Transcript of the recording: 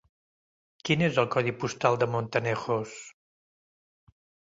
Quin és el codi postal de Montanejos?